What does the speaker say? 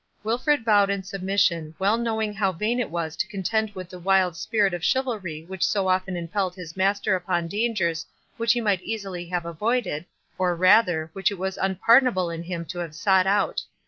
Wilfred bowed in submission, well knowing how vain it was to contend with the wild spirit of chivalry which so often impelled his master upon dangers which he might easily have avoided, or rather, which it was unpardonable in him to have sought out.